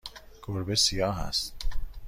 گربه سیاه است.